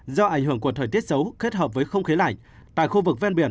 do ảnh hưởng của thời tiết xấu kết hợp với không khí lạnh tại khu vực ven biển